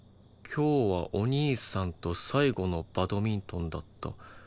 「今日はおにいさんとさいごのバドミントンだった」